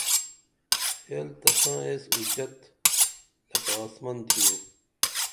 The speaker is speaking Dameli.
حِیال تساں ایس اُچیت لکہ آسمن تِھیو